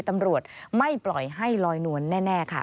ตำรวจไม่ปล่อยให้ลอยนวลแน่ค่ะ